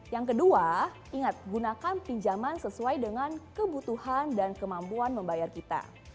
yang kedua ingat gunakan pinjaman sesuai dengan kebutuhan dan kemampuan membayar kita